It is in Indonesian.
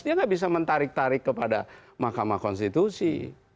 dia nggak bisa menarik tarik kepada mahkamah konstitusi